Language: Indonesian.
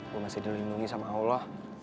gue masih dilindungi sama allah